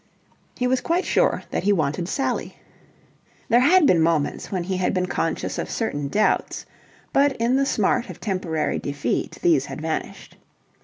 He was quite sure that he wanted Sally. There had been moments when he had been conscious of certain doubts, but in the smart of temporary defeat these had vanished.